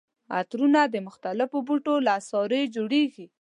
عطرونه د مختلفو بوټو له عصارې جوړیږي.